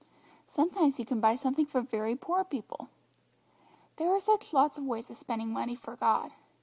Sometimes you can buy something for very poor people. There are such lots of ways of spending money for God.